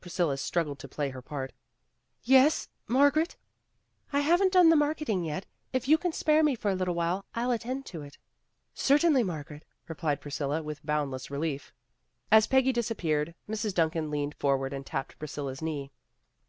Priscilla struggled to play her part. ;' Yes Margaret?" "I haven't done the marketing yet. If you can spare me for a little while, I'll attend to it." 154 PEGGY RAYMOND'S WAY ''Certainly, Margaret," replied Priscilla with boundless relief. As Peggy disappeared, Mrs. Duncan leaned forward and tapped Priscilla 's knee.